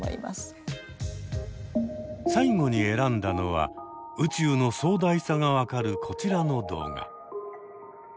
最後に選んだのは宇宙の壮大さが分かるこちらの動画。